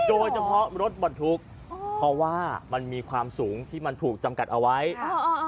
โดยเฉพาะรถบรรทุกเพราะว่ามันมีความสูงที่มันถูกจำกัดเอาไว้อ่า